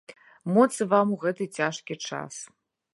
Моцы вам у гэты цяжкі час.